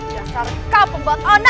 jasa rekau pembuat onis